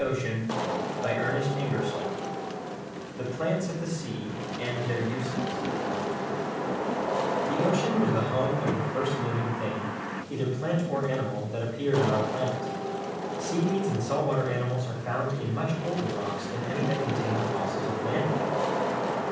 [Illustration: shipwreck] CHAPTER XII THE PLANTS OF THE SEA AND THEIR USES The ocean was the home of the first living thing, either plant or animal, that appeared on our planet; seaweeds and salt water animals are found in much older rocks than any that contain the fossils of land life.